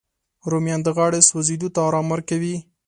رومیان د غاړې سوځېدو ته ارام ورکوي